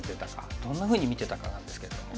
どんなふうに見てたかなんですけれども。